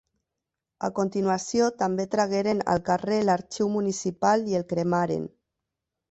A continuació també tragueren al carrer l'arxiu municipal i el cremaren.